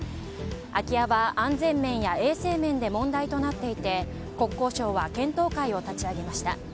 空き家は安全面や衛生面で問題となっていて国交省は検討会を立ち上げました。